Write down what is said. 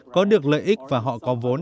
có được lợi ích và họ có vốn